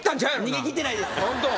逃げ切ってないです。